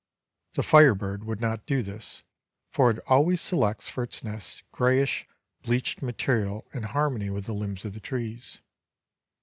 The Fire bird would not do this, for it always selects for its nest grayish, bleached material in harmony with the limbs of the trees.